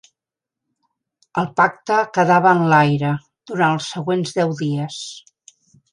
El pacte quedava en l'aire durant els següents deu dies.